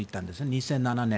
２００７年。